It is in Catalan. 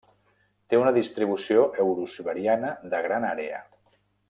Té una distribució eurosiberiana de gran àrea.